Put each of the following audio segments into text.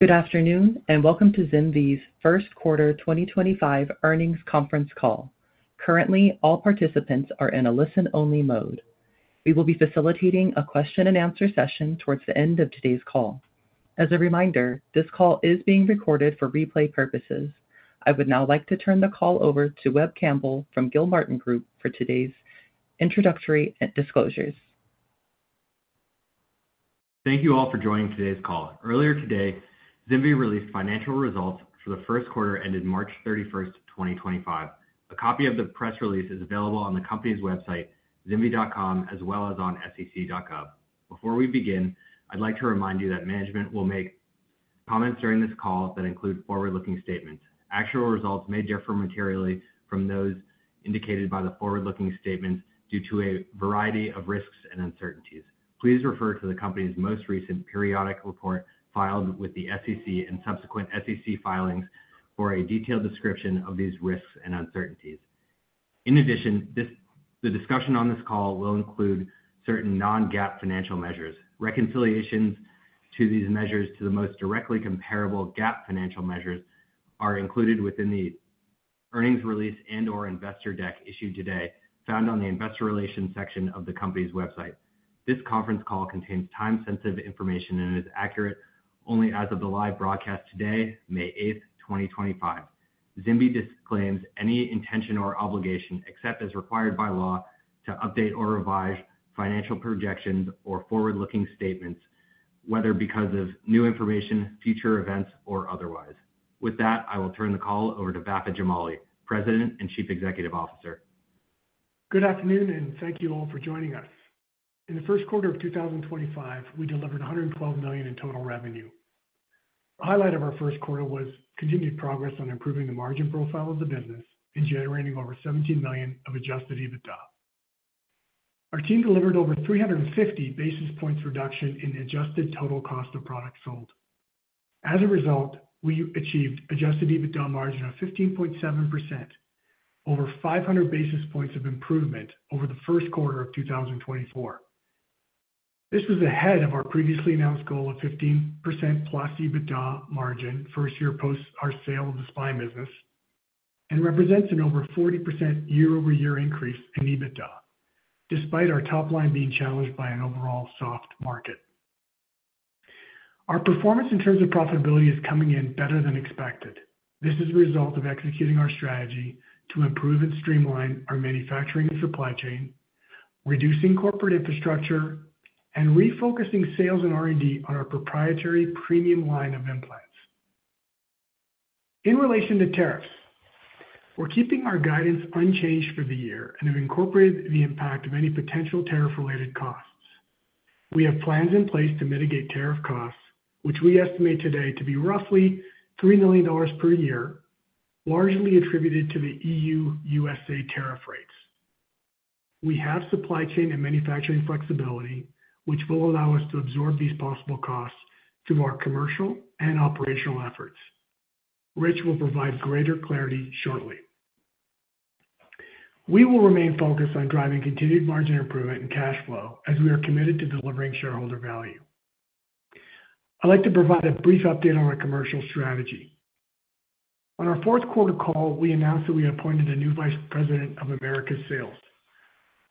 Good afternoon and welcome to ZimVie's first quarter 2025 earnings conference call. Currently, all participants are in a listen-only mode. We will be facilitating a question-and-answer session towards the end of today's call. As a reminder, this call is being recorded for replay purposes. I would now like to turn the call over to Webb Campbell from Gilmartin Group for today's introductory disclosures. Thank you all for joining today's call. Earlier today, ZimVie released financial results for the first quarter ended March 31, 2025. A copy of the press release is available on the company's website, ZimVie.com, as well as on SEC.gov. Before we begin, I'd like to remind you that management will make comments during this call that include forward-looking statements. Actual results may differ materially from those indicated by the forward-looking statements due to a variety of risks and uncertainties. Please refer to the company's most recent periodic report filed with the SEC and subsequent SEC filings for a detailed description of these risks and uncertainties. In addition, the discussion on this call will include certain non-GAAP financial measures. Reconciliations to these measures to the most directly comparable GAAP financial measures are included within the earnings release and/or investor deck issued today, found on the investor relations section of the company's website. This conference call contains time-sensitive information and is accurate only as of the live broadcast today, May 8th, 2025. ZimVie disclaims any intention or obligation except as required by law to update or revise financial projections or forward-looking statements, whether because of new information, future events, or otherwise. With that, I will turn the call over to Vafa Jamali, President and Chief Executive Officer. Good afternoon and thank you all for joining us. In the first quarter of 2025, we delivered $112 million in total revenue. A highlight of our first quarter was continued progress on improving the margin profile of the business and generating over $17 million of adjusted EBITDA. Our team delivered over 350 basis points reduction in adjusted total cost of product sold. As a result, we achieved adjusted EBITDA margin of 15.7%, over 500 basis points of improvement over the first quarter of 2024. This was ahead of our previously announced goal of 15% plus EBITDA margin first year post our sale of the spine business and represents an over 40% year-over-year increase in EBITDA, despite our top line being challenged by an overall soft market. Our performance in terms of profitability is coming in better than expected. This is a result of executing our strategy to improve and streamline our manufacturing and supply chain, reducing corporate infrastructure, and refocusing sales and R&D on our proprietary premium line of implants. In relation to tariffs, we're keeping our guidance unchanged for the year and have incorporated the impact of any potential tariff-related costs. We have plans in place to mitigate tariff costs, which we estimate today to be roughly $3 million per year, largely attributed to the EU/USA tariff rates. We have supply chain and manufacturing flexibility, which will allow us to absorb these possible costs through our commercial and operational efforts. Rich will provide greater clarity shortly. We will remain focused on driving continued margin improvement and cash flow as we are committed to delivering shareholder value. I'd like to provide a brief update on our commercial strategy. On our fourth quarter call, we announced that we appointed a new Vice President of America Sales.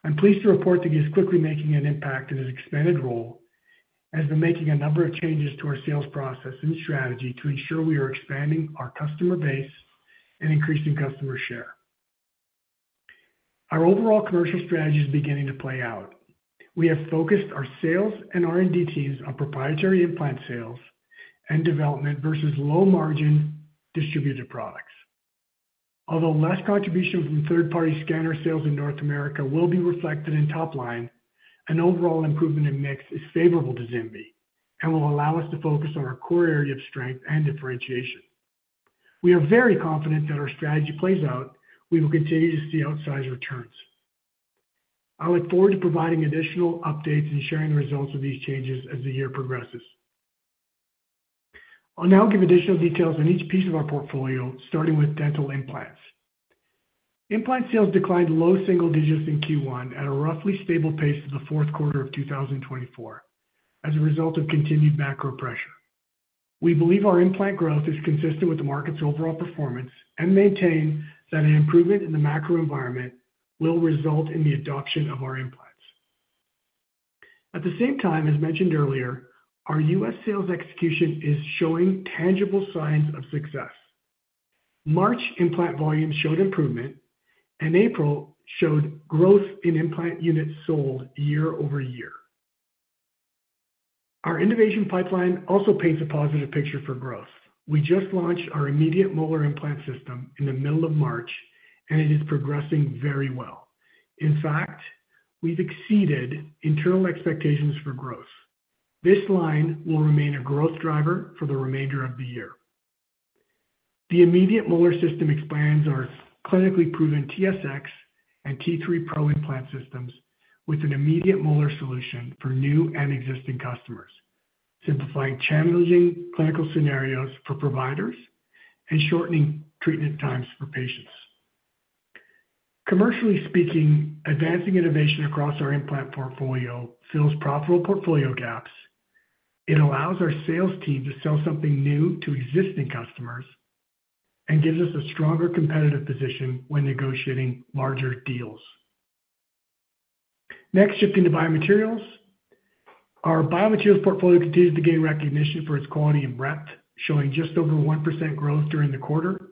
I'm pleased to report that he is quickly making an impact in his expanded role as we're making a number of changes to our sales process and strategy to ensure we are expanding our customer base and increasing customer share. Our overall commercial strategy is beginning to play out. We have focused our sales and R&D teams on proprietary implant sales and development versus low-margin distributed products. Although less contribution from third-party scanner sales in North America will be reflected in top line, an overall improvement in mix is favorable to ZimVie and will allow us to focus on our core area of strength and differentiation. We are very confident that our strategy plays out. We will continue to see outsized returns. I look forward to providing additional updates and sharing the results of these changes as the year progresses. I'll now give additional details on each piece of our portfolio, starting with dental implants. Implant sales declined low single digits in Q1 at a roughly stable pace to the fourth quarter of 2024 as a result of continued macro pressure. We believe our implant growth is consistent with the market's overall performance and maintain that an improvement in the macro environment will result in the adoption of our implants. At the same time, as mentioned earlier, our U.S. sales execution is showing tangible signs of success. March implant volume showed improvement, and April showed growth in implant units sold year over year. Our innovation pipeline also paints a positive picture for growth. We just launched our Immediate Molar Implant System in the middle of March, and it is progressing very well. In fact, we've exceeded internal expectations for growth. This line will remain a growth driver for the remainder of the year. The Immediate Molar Implant System expands our clinically proven TSX and T3 Pro Implant Systems with an immediate molar solution for new and existing customers, simplifying challenging clinical scenarios for providers and shortening treatment times for patients. Commercially speaking, advancing innovation across our implant portfolio fills profitable portfolio gaps. It allows our sales team to sell something new to existing customers and gives us a stronger competitive position when negotiating larger deals. Next, shifting to biomaterials, our biomaterials portfolio continues to gain recognition for its quality and breadth, showing just over 1% growth during the quarter.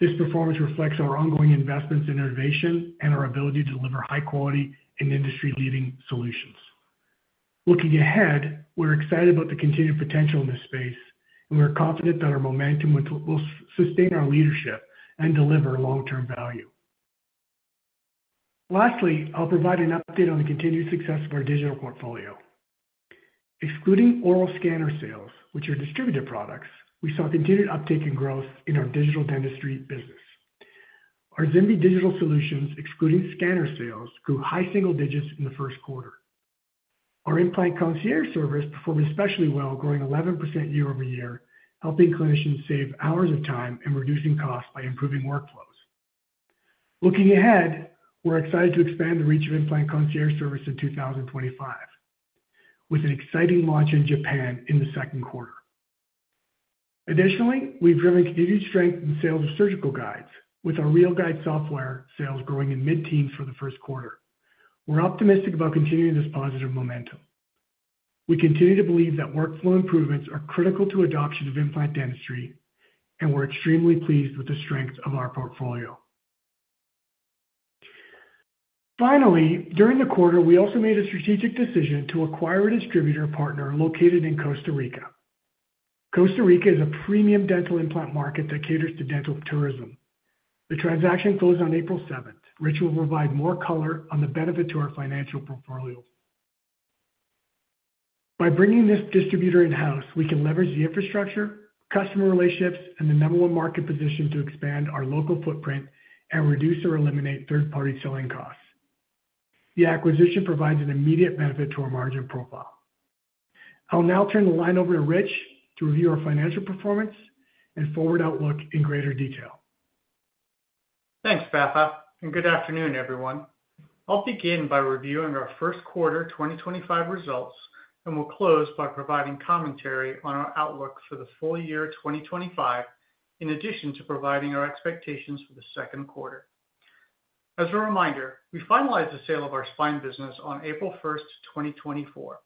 This performance reflects our ongoing investments in innovation and our ability to deliver high-quality and industry-leading solutions. Looking ahead, we're excited about the continued potential in this space, and we're confident that our momentum will sustain our leadership and deliver long-term value. Lastly, I'll provide an update on the continued success of our digital portfolio. Excluding oral scanner sales, which are distributed products, we saw continued uptake and growth in our digital dentistry business. Our ZimVie digital solutions, excluding scanner sales, grew high single digits in the first quarter. Our implant concierge service performed especially well, growing 11% year over year, helping clinicians save hours of time and reducing costs by improving workflows. Looking ahead, we're excited to expand the reach of implant concierge service in 2025, with an exciting launch in Japan in the second quarter. Additionally, we've driven continued strength in sales of surgical guides, with our Real Guide Software sales growing in mid-teens for the first quarter. We're optimistic about continuing this positive momentum. We continue to believe that workflow improvements are critical to adoption of implant dentistry, and we're extremely pleased with the strength of our portfolio. Finally, during the quarter, we also made a strategic decision to acquire a distributor partner located in Costa Rica. Costa Rica is a premium dental implant market that caters to dental tourism. The transaction closed on April 7, which will provide more color on the benefit to our financial portfolio. By bringing this distributor in-house, we can leverage the infrastructure, customer relationships, and the number one market position to expand our local footprint and reduce or eliminate third-party selling costs. The acquisition provides an immediate benefit to our margin profile. I'll now turn the line over to Rich to review our financial performance and forward outlook in greater detail. Thanks, Vafa, and good afternoon, everyone. I'll begin by reviewing our first quarter 2025 results and will close by providing commentary on our outlook for the full year 2025, in addition to providing our expectations for the second quarter. As a reminder, we finalized the sale of our spine business on April 1, 2024.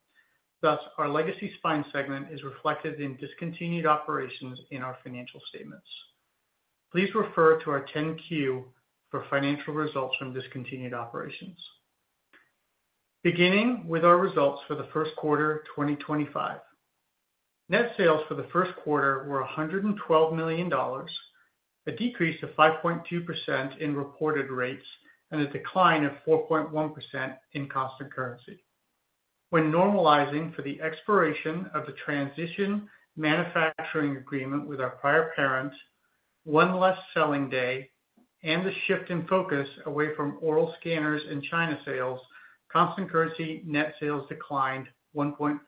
Thus, our legacy spine segment is reflected in discontinued operations in our financial statements. Please refer to our 10-Q for financial results from discontinued operations. Beginning with our results for the first quarter 2025, net sales for the first quarter were $112 million, a decrease of 5.2% in reported rates and a decline of 4.1% in cost of currency. When normalizing for the expiration of the transition manufacturing agreement with our prior parent, one less selling day, and the shift in focus away from oral scanners and China sales, cost of currency net sales declined 1.4%.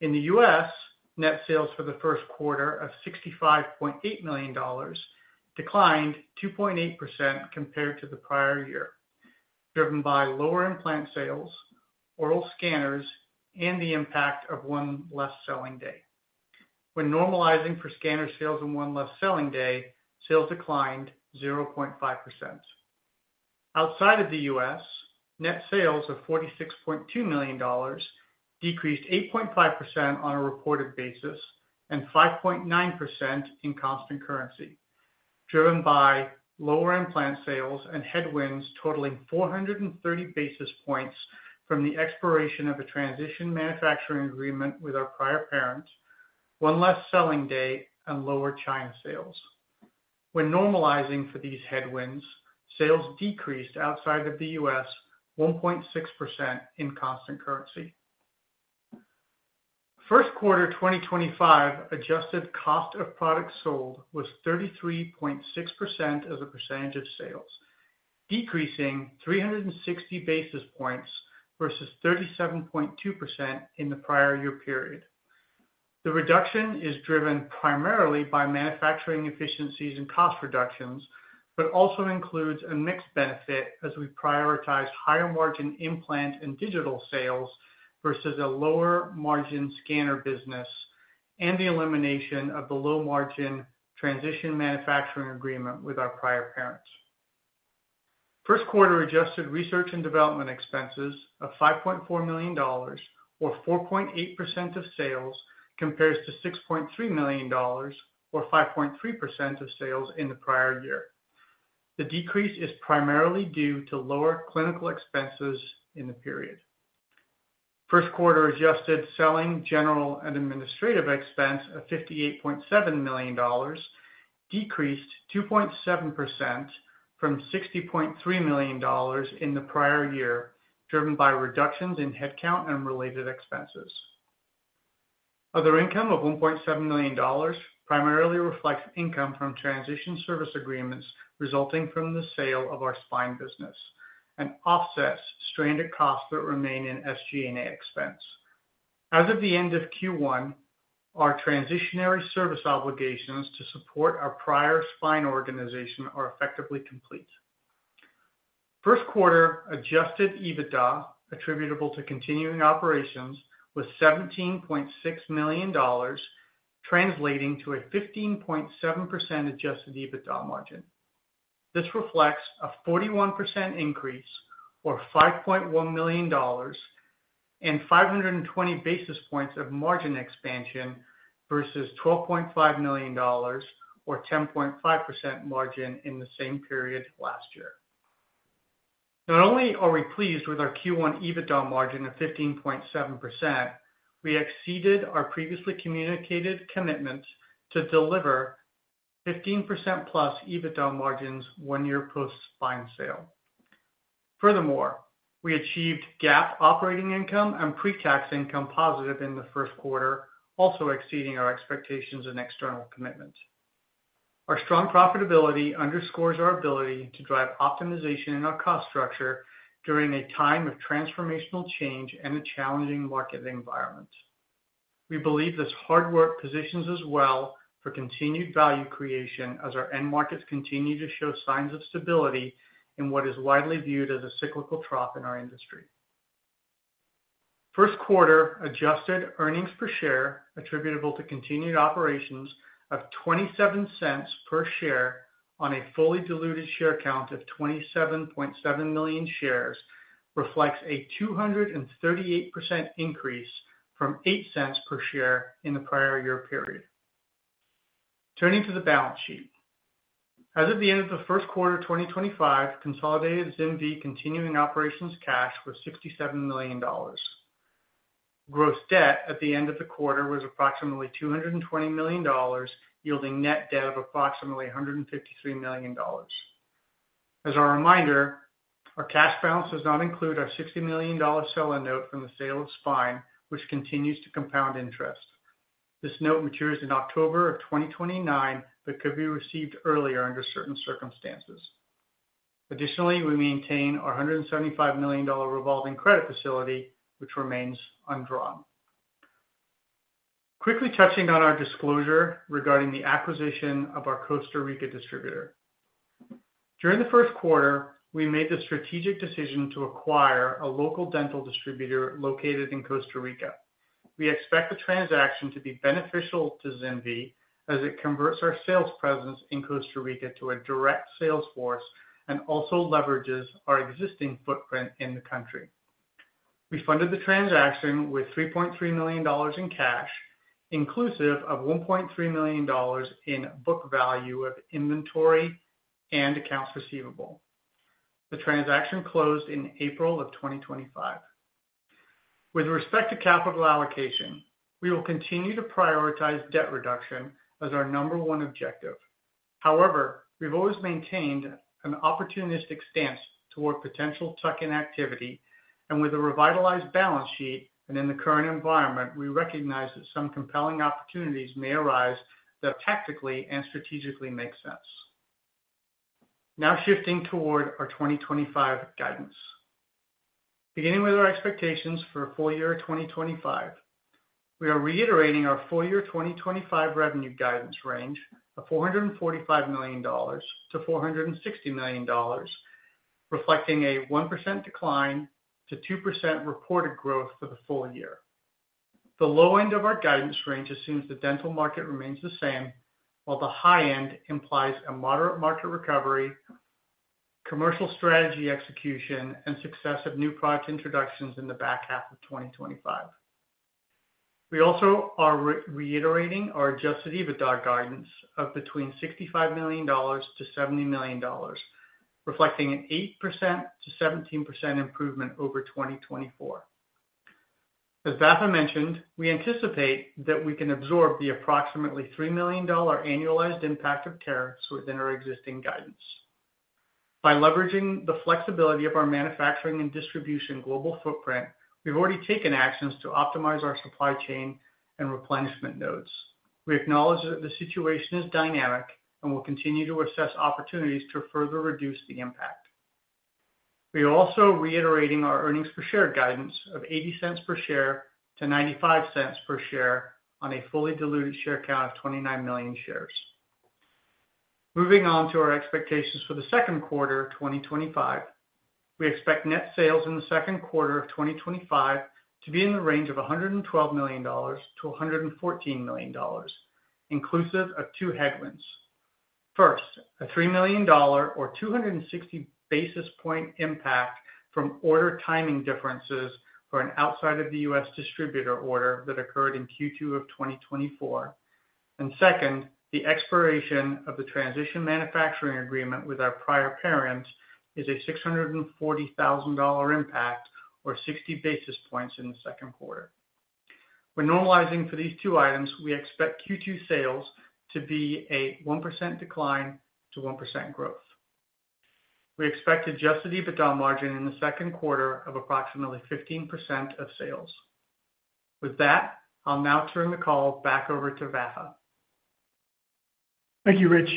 In the U.S., net sales for the first quarter of $65.8 million declined 2.8% compared to the prior year, driven by lower implant sales, oral scanners, and the impact of one less selling day. When normalizing for scanner sales and one less selling day, sales declined 0.5%. Outside of the U.S., net sales of $46.2 million decreased 8.5% on a reported basis and 5.9% in cost of currency, driven by lower implant sales and headwinds totaling 430 basis points from the expiration of a transition manufacturing agreement with our prior parent, one less selling day, and lower China sales. When normalizing for these headwinds, sales decreased outside of the U.S. 1.6% in cost of currency. First quarter 2025 adjusted cost of product sold was 33.6% as a percentage of sales, decreasing 360 basis points versus 37.2% in the prior year period. The reduction is driven primarily by manufacturing efficiencies and cost reductions, but also includes a mixed benefit as we prioritize higher margin implant and digital sales versus a lower margin scanner business and the elimination of the low margin transition manufacturing agreement with our prior parent. First quarter adjusted research and development expenses of $5.4 million, or 4.8% of sales, compares to $6.3 million, or 5.3% of sales in the prior year. The decrease is primarily due to lower clinical expenses in the period. First quarter adjusted selling, general and administrative expense of $58.7 million decreased 2.7% from $60.3 million in the prior year, driven by reductions in headcount and related expenses. Other income of $1.7 million primarily reflects income from transition service agreements resulting from the sale of our spine business and offsets stranded costs that remain in SG&A expense. As of the end of Q1, our transitionary service obligations to support our prior spine organization are effectively complete. First quarter adjusted EBITDA attributable to continuing operations was $17.6 million, translating to a 15.7% adjusted EBITDA margin. This reflects a 41% increase, or $5.1 million, and 520 basis points of margin expansion versus $12.5 million, or 10.5% margin in the same period last year. Not only are we pleased with our Q1 EBITDA margin of 15.7%, we exceeded our previously communicated commitments to deliver 15% plus EBITDA margins one year post spine sale. Furthermore, we achieved GAAP operating income and pre-tax income positive in the first quarter, also exceeding our expectations and external commitments. Our strong profitability underscores our ability to drive optimization in our cost structure during a time of transformational change and a challenging market environment. We believe this hard work positions us well for continued value creation as our end markets continue to show signs of stability in what is widely viewed as a cyclical trough in our industry. First quarter adjusted earnings per share attributable to continued operations of $0.27 per share on a fully diluted share count of 27.7 million shares reflects a 238% increase from $0.08 per share in the prior year period. Turning to the balance sheet, as of the end of the first quarter 2025, consolidated ZimVie continuing operations cash was $67 million. Gross debt at the end of the quarter was approximately $220 million, yielding net debt of approximately $153 million. As a reminder, our cash balance does not include our $60 million seller note from the sale of spine, which continues to compound interest. This note matures in October of 2029, but could be received earlier under certain circumstances. Additionally, we maintain our $175 million revolving credit facility, which remains undrawn. Quickly touching on our disclosure regarding the acquisition of our Costa Rica distributor. During the first quarter, we made the strategic decision to acquire a local dental distributor located in Costa Rica. We expect the transaction to be beneficial to ZimVie as it converts our sales presence in Costa Rica to a direct sales force and also leverages our existing footprint in the country. We funded the transaction with $3.3 million in cash, inclusive of $1.3 million in book value of inventory and accounts receivable. The transaction closed in April of 2025. With respect to capital allocation, we will continue to prioritize debt reduction as our number one objective. However, we've always maintained an opportunistic stance toward potential tuck-in activity, and with a revitalized balance sheet and in the current environment, we recognize that some compelling opportunities may arise that tactically and strategically make sense. Now shifting toward our 2025 guidance. Beginning with our expectations for full year 2025, we are reiterating our full year 2025 revenue guidance range of $445 million-$460 million, reflecting a 1% decline to 2% reported growth for the full year. The low end of our guidance range assumes the dental market remains the same, while the high end implies a moderate market recovery, commercial strategy execution, and success of new product introductions in the back half of 2025. We also are reiterating our adjusted EBITDA guidance of between $65 million and $70 million, reflecting an 8%-17% improvement over 2024. As Vafa mentioned, we anticipate that we can absorb the approximately $3 million annualized impact of tariffs within our existing guidance. By leveraging the flexibility of our manufacturing and distribution global footprint, we've already taken actions to optimize our supply chain and replenishment nodes. We acknowledge that the situation is dynamic and will continue to assess opportunities to further reduce the impact. We are also reiterating our earnings per share guidance of $0.80 per share to $0.95 per share on a fully diluted share count of 29 million shares. Moving on to our expectations for the second quarter 2025, we expect net sales in the second quarter of 2025 to be in the range of $112 million-$114 million, inclusive of two headwinds. First, a $3 million, or 260 basis point impact from order timing differences for an outside of the U.S. distributor order that occurred in Q2 of 2024. Second, the expiration of the transition manufacturing agreement with our prior parent is a $640,000 impact, or 60 basis points in the second quarter. When normalizing for these two items, we expect Q2 sales to be a 1% decline to 1% growth. We expect adjusted EBITDA margin in the second quarter of approximately 15% of sales. With that, I'll now turn the call back over to Vafa. Thank you, Rich.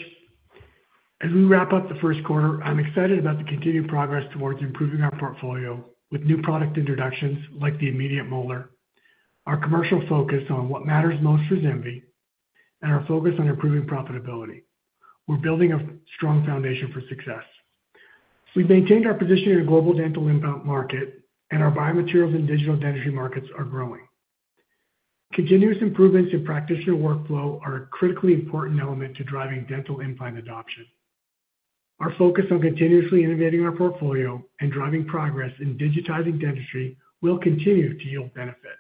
As we wrap up the first quarter, I'm excited about the continued progress towards improving our portfolio with new product introductions like the immediate molar, our commercial focus on what matters most for ZimVie, and our focus on improving profitability. We're building a strong foundation for success. We've maintained our position in the global dental implant market, and our biomaterials and digital dentistry markets are growing. Continuous improvements in practice and workflow are a critically important element to driving dental implant adoption. Our focus on continuously innovating our portfolio and driving progress in digitizing dentistry will continue to yield benefit.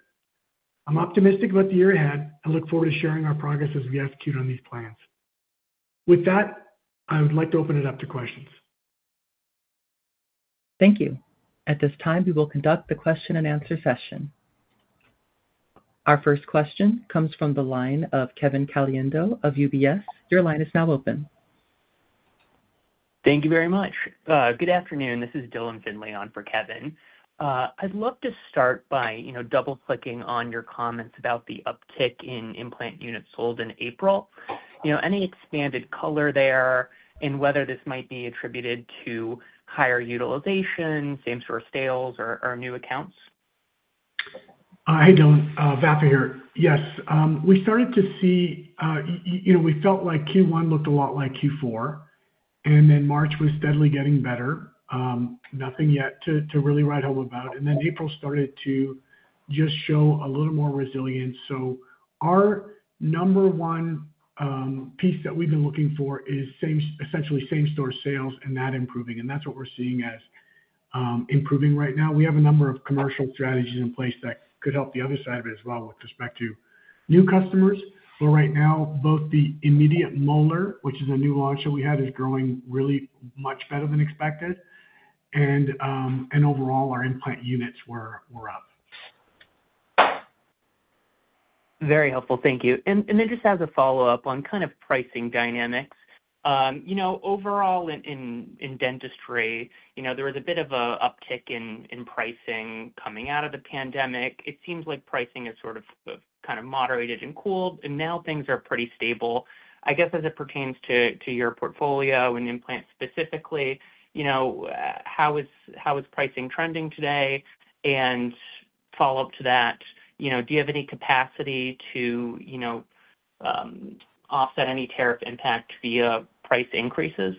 I'm optimistic about the year ahead and look forward to sharing our progress as we execute on these plans. With that, I would like to open it up to questions. Thank you. At this time, we will conduct the question and answer session. Our first question comes from the line of Kevin Kalendo of UBS. Your line is now open. Thank you very much. Good afternoon. This is Dylan Finley on for Kevin. I'd love to start by double-clicking on your comments about the uptick in implant units sold in April. Any expanded color there in whether this might be attributed to higher utilization, same-store sales, or new accounts? I don't. Vafa here. Yes. We started to see we felt like Q1 looked a lot like Q4, and then March was steadily getting better. Nothing yet to really write home about. April started to just show a little more resilience. Our number one piece that we've been looking for is essentially same-store sales and that improving. That's what we're seeing as improving right now. We have a number of commercial strategies in place that could help the other side of it as well with respect to new customers. Right now, both the immediate molar, which is a new launch that we had, is growing really much better than expected. Overall, our implant units were up. Very helpful. Thank you. Just as a follow-up on kind of pricing dynamics. Overall, in dentistry, there was a bit of an uptick in pricing coming out of the pandemic. It seems like pricing has sort of kind of moderated and cooled, and now things are pretty stable. I guess as it pertains to your portfolio and implants specifically, how is pricing trending today? Follow-up to that, do you have any capacity to offset any tariff impact via price increases?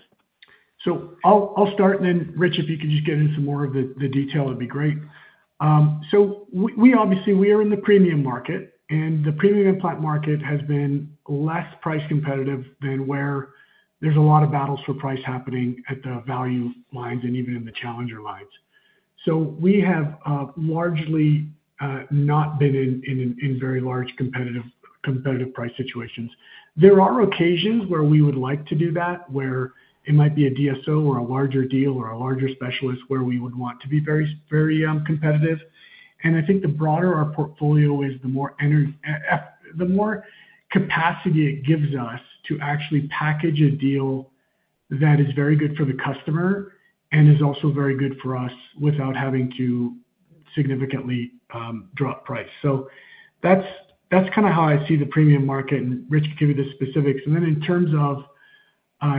I'll start, and then Rich, if you could just get into some more of the detail, it'd be great. Obviously, we are in the premium market, and the premium implant market has been less price competitive than where there's a lot of battles for price happening at the value lines and even in the challenger lines. We have largely not been in very large competitive price situations. There are occasions where we would like to do that, where it might be a DSO or a larger deal or a larger specialist where we would want to be very competitive. I think the broader our portfolio is, the more capacity it gives us to actually package a deal that is very good for the customer and is also very good for us without having to significantly drop price. That is kind of how I see the premium market. Rich, give you the specifics. In terms of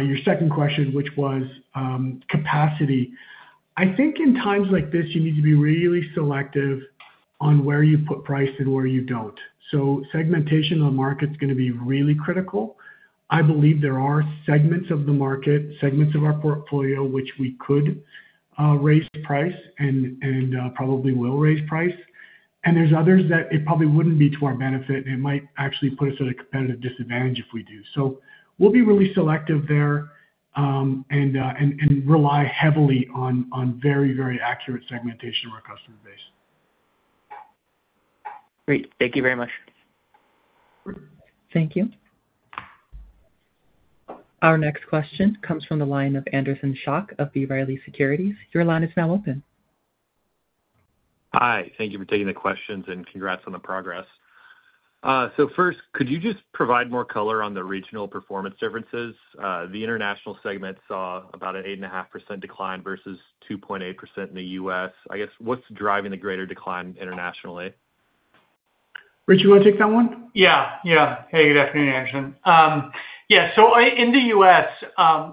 your second question, which was capacity, I think in times like this, you need to be really selective on where you put price and where you do not. Segmentation of the market is going to be really critical. I believe there are segments of the market, segments of our portfolio, which we could raise price and probably will raise price. There are others that it probably would not be to our benefit. It might actually put us at a competitive disadvantage if we do. We will be really selective there and rely heavily on very, very accurate segmentation of our customer base. Great. Thank you very much. Thank you. Our next question comes from the line of Anderson Schock of B. Riley Securities. Your line is now open. Hi. Thank you for taking the questions and congrats on the progress. First, could you just provide more color on the regional performance differences? The international segment saw about an 8.5% decline versus 2.8% in the U.S. I guess what's driving the greater decline internationally? Rich, you want to take that one? Yeah. Yeah. Hey, good afternoon, Anderson. Yeah. In the U.S.,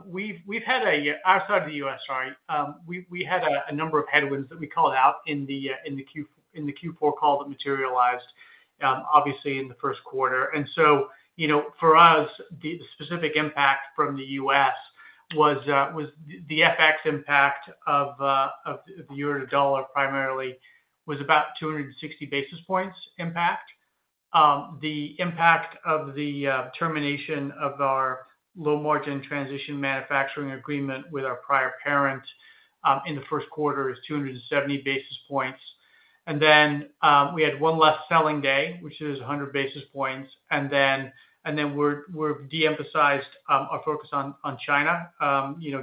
we've had a—outside of the U.S., sorry—we had a number of headwinds that we called out in the Q4 call that materialized, obviously, in the first quarter. For us, the specific impact from the U.S. was the FX impact of the euro to dollar primarily was about 260 basis points impact. The impact of the termination of our low-margin transition manufacturing agreement with our prior parent in the first quarter is 270 basis points. We had one less selling day, which is 100 basis points. We have de-emphasized our focus on China,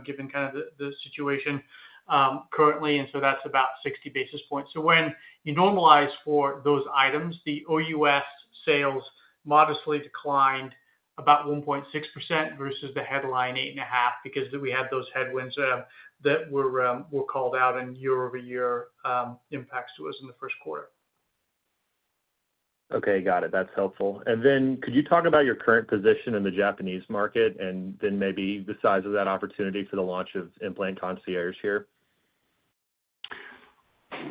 given kind of the situation currently. That is about 60 basis points. When you normalize for those items, the OUS sales modestly declined about 1.6% versus the headline 8.5% because we had those headwinds that were called out and year-over-year impacts to us in the first quarter. Okay. Got it. That's helpful. Could you talk about your current position in the Japanese market and then maybe the size of that opportunity for the launch of implant concierge here?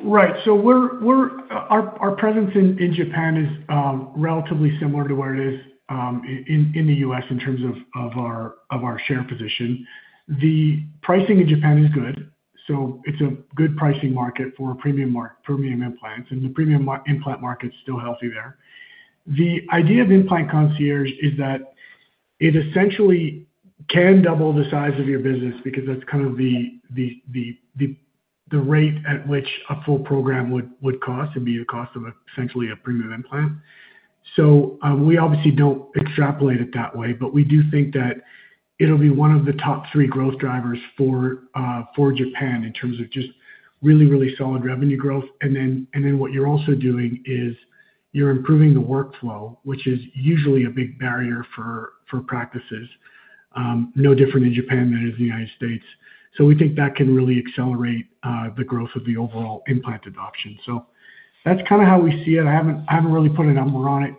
Right. Our presence in Japan is relatively similar to where it is in the U.S. in terms of our share position. The pricing in Japan is good. It is a good pricing market for premium implants. The premium implant market is still healthy there. The idea of implant concierges is that it essentially can double the size of your business because that is kind of the rate at which a full program would cost and be the cost of essentially a premium implant. We obviously do not extrapolate it that way, but we do think that it will be one of the top three growth drivers for Japan in terms of just really, really solid revenue growth. What you are also doing is you are improving the workflow, which is usually a big barrier for practices, no different in Japan than it is in the United States. We think that can really accelerate the growth of the overall implant adoption. That is kind of how we see it. I have not really put a number on it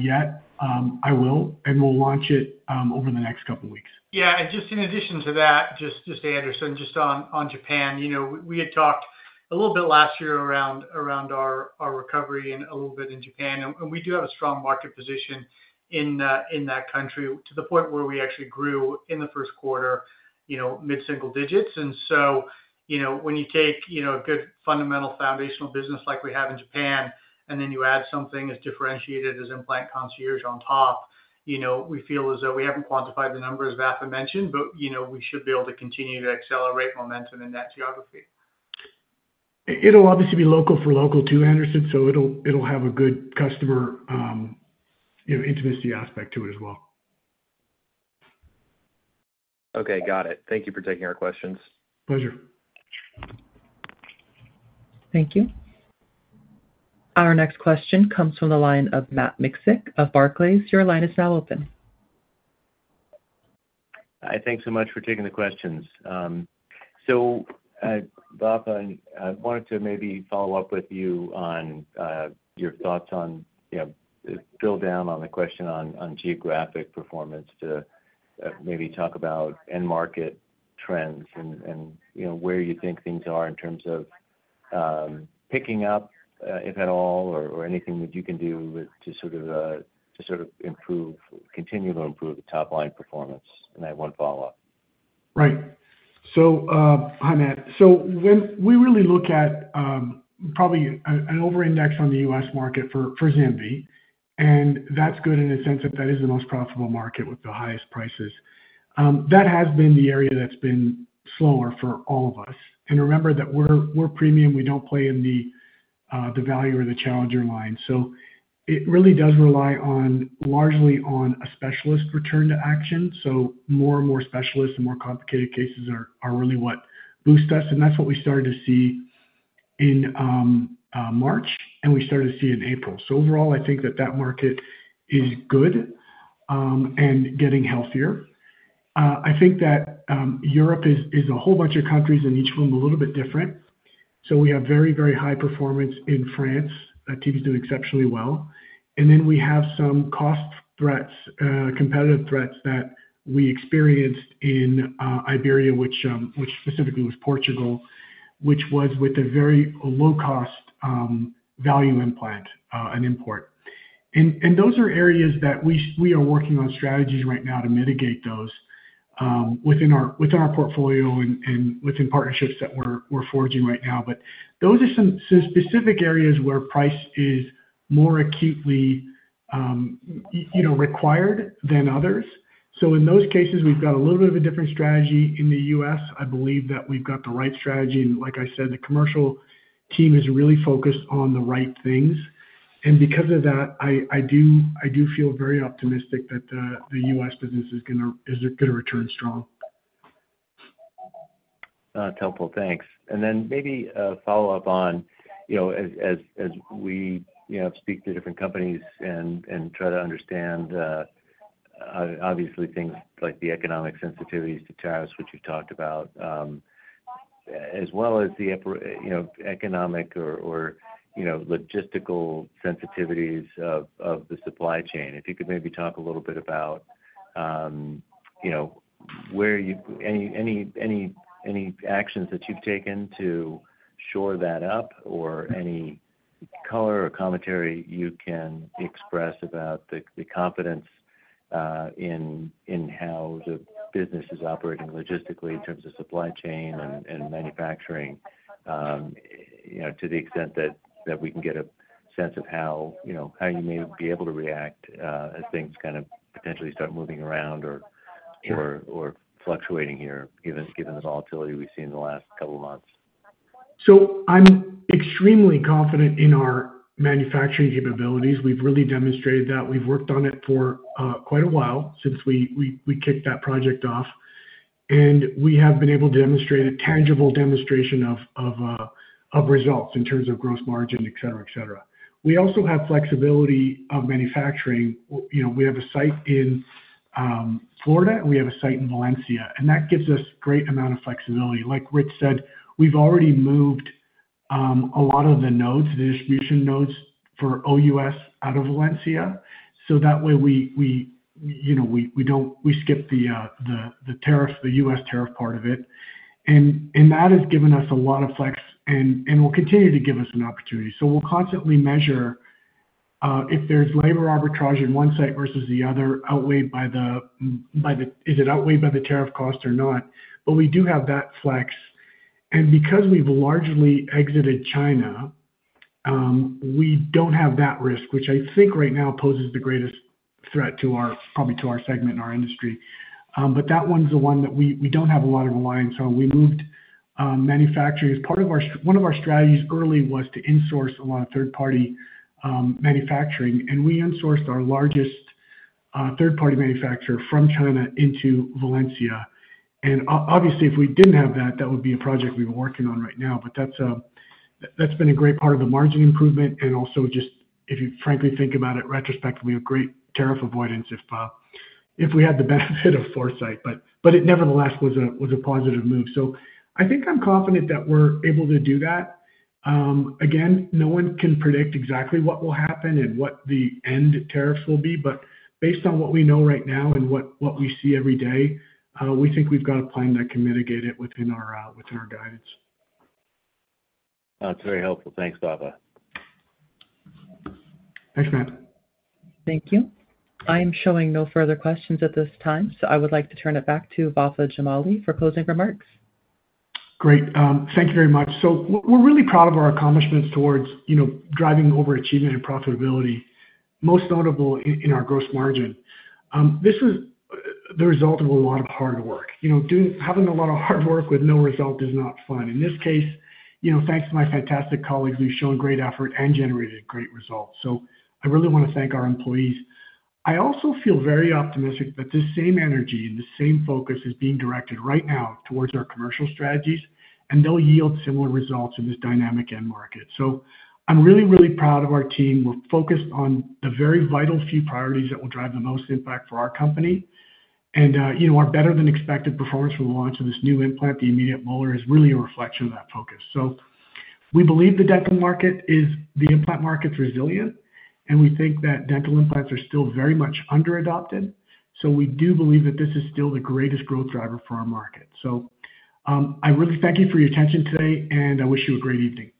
yet. I will, and we will launch it over the next couple of weeks. Yeah. In addition to that, just Anderson, just on Japan, we had talked a little bit last year around our recovery and a little bit in Japan. We do have a strong market position in that country to the point where we actually grew in the first quarter, mid-single digits. When you take a good fundamental foundational business like we have in Japan, and then you add something as differentiated as implant concierges on top, we feel as though we have not quantified the numbers Vafa mentioned, but we should be able to continue to accelerate momentum in that geography. It'll obviously be local for local too, Anderson. So it'll have a good customer intimacy aspect to it as well. Okay. Got it. Thank you for taking our questions. Pleasure. Thank you. Our next question comes from the line of Matt Miksic of Barclays. Your line is now open. Hi. Thanks so much for taking the questions. Vafa, I wanted to maybe follow up with you on your thoughts on the drill down on the question on geographic performance to maybe talk about end market trends and where you think things are in terms of picking up, if at all, or anything that you can do to sort of continue to improve the top-line performance. I have one follow-up. Right. Hi, Matt. When we really look at probably an over-index on the U.S. market for ZimVie, that's good in the sense that that is the most profitable market with the highest prices. That has been the area that's been slower for all of us. Remember that we're premium. We don't play in the value or the challenger line. It really does rely largely on a specialist return to action. More and more specialists and more complicated cases are really what boosts us. That's what we started to see in March, and we started to see in April. Overall, I think that market is good and getting healthier. I think that Europe is a whole bunch of countries, and each of them a little bit different. We have very, very high performance in France. TV's doing exceptionally well. We have some cost threats, competitive threats that we experienced in Iberia, which specifically was Portugal, which was with a very low-cost value implant and import. Those are areas that we are working on strategies right now to mitigate within our portfolio and within partnerships that we are forging right now. Those are some specific areas where price is more acutely required than others. In those cases, we have a little bit of a different strategy in the U.S. I believe that we have the right strategy. Like I said, the commercial team is really focused on the right things. Because of that, I do feel very optimistic that the U.S. business is going to return strong. That's helpful. Thanks. Maybe a follow-up on, as we speak to different companies and try to understand, obviously, things like the economic sensitivities to tariffs, which you've talked about, as well as the economic or logistical sensitivities of the supply chain. If you could maybe talk a little bit about any actions that you've taken to shore that up or any color or commentary you can express about the confidence in how the business is operating logistically in terms of supply chain and manufacturing to the ex tent that we can get a sense of how you may be able to react as things kind of potentially start moving around or fluctuating here, given the volatility we've seen in the last couple of months. I'm extremely confident in our manufacturing capabilities. We've really demonstrated that. We've worked on it for quite a while since we kicked that project off. We have been able to demonstrate a tangible demonstration of results in terms of gross margin, etc., etc. We also have flexibility of manufacturing. We have a site in Florida, and we have a site in Valencia. That gives us a great amount of flexibility. Like Rich said, we've already moved a lot of the nodes, the distribution nodes for OUS out of Valencia. That way, we skip the U.S. tariff part of it. That has given us a lot of flex, and will continue to give us an opportunity. We'll constantly measure if there's labor arbitrage in one site versus the other outweighed by the—is it outweighed by the tariff cost or not? We do have that flex. Because we've largely exited China, we don't have that risk, which I think right now poses the greatest threat probably to our segment and our industry. That one's the one that we don't have a lot of reliance on. We moved manufacturing. One of our strategies early was to insource a lot of third-party manufacturing. We insourced our largest third-party manufacturer from China into Valencia. Obviously, if we didn't have that, that would be a project we were working on right now. That's been a great part of the margin improvement. Also, if you frankly think about it retrospectively, a great tariff avoidance if we had the benefit of foresight. It nevertheless was a positive move. I think I'm confident that we're able to do that. Again, no one can predict exactly what will happen and what the end tariffs will be. Based on what we know right now and what we see every day, we think we've got a plan that can mitigate it within our guidance. That's very helpful. Thanks, Vafa. Thanks, Matt. Thank you. I am showing no further questions at this time. So I would like to turn it back to Vafa Jamali for closing remarks. Great. Thank you very much. We're really proud of our accomplishments towards driving overachievement and profitability, most notable in our gross margin. This is the result of a lot of hard work. Having a lot of hard work with no result is not fun. In this case, thanks to my fantastic colleagues who've shown great effort and generated great results. I really want to thank our employees. I also feel very optimistic that this same energy and the same focus is being directed right now towards our commercial strategies, and they'll yield similar results in this dynamic end market. I'm really, really proud of our team. We're focused on the very vital few priorities that will drive the most impact for our company. Our better-than-expected performance from the launch of this new implant, the Immediate Molar Implant System, is really a reflection of that focus. We believe the dental market is the implant market's resilient, and we think that dental implants are still very much under-adopted. We do believe that this is still the greatest growth driver for our market. I really thank you for your attention today, and I wish you a great evening.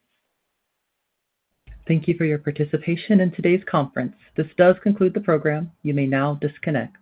Thank you for your participation in today's conference. This does conclude the program. You may now disconnect.